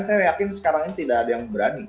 saya yakin sekarang ini tidak ada yang berani